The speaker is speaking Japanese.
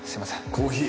コーヒー！